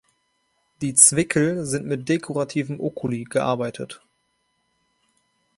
Die Zwickel sind mit dekorativen Oculi gearbeitet.